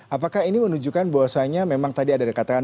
apakah ini menunjukkan bahwasannya memang tadi ada dekatkan